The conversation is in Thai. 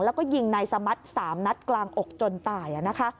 แล้วก็ยิงนายสมัติสามนัดกลางอกจนตาย